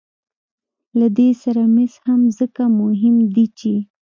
له دې سره مس هم ځکه مهم دي چې